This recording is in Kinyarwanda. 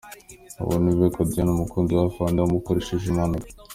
Uwo niwe Kodian umukunzi w’Afande wamukoresheje impanuka